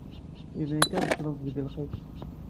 Iban kan teccḍemt deg lqis.